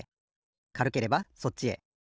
かるければそっちへ。